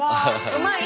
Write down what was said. うまい？